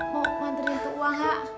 mau mandirin itu uang ha